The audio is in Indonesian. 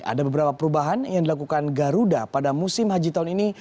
ada beberapa perubahan yang dilakukan garuda pada musim haji tahun ini